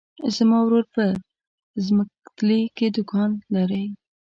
زما ورور په ځمکتلي کې دوکان لری.